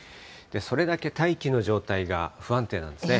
それだけ大気の状態が不安定なんですね。